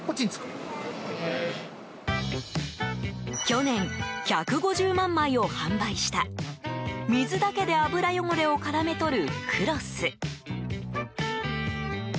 去年、１５０万枚を販売した水だけで油汚れを絡め取るクロス。